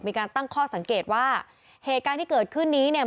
มีการตั้งข้อสังเกตว่าเหตุการณ์ที่เกิดขึ้นนี้เนี่ย